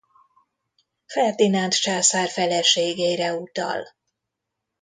Ferdinánd császár feleségére utal.